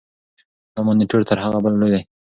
دا مانیټور تر هغه بل لوی دی.